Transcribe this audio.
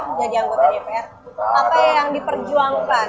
menjadi anggota dpr apa yang diperjuangkan